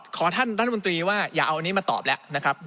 ขอท่านรัฐมนตรีว่าอย่าเอาอันนี้มาตอบแล้วนะครับ